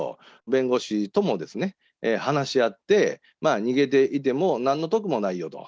弁護士とも話し合って、逃げていてもなんの得もないよと。